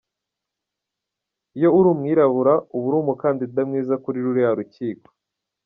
Iyo uri umwirabura, uba uri umukandida mwiza kuri ruriya rukiko".